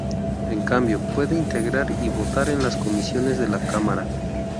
En cambio, puede integrar y votar en las comisiones de la Cámara.